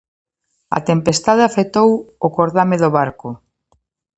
A tempestade afectou o cordame do barco.